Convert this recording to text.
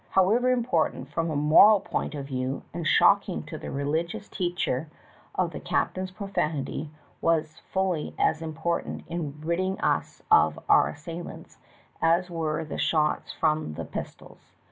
However improper from a moral point of view and shocking to the religious teacher the captain's profanity was fully as important in ridding us of of our assailants as were the shots from the pistols.